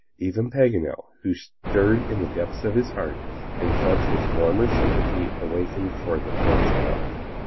Even Paganel was stirred to the depths of his heart, and felt his warmer sympathy awakened for the poor child.